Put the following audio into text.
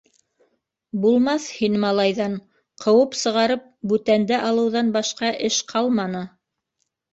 Булмаҫ һин малайҙан, ҡыуып сығарып, бүтәнде алыуҙан башҡа эш ҡалманы.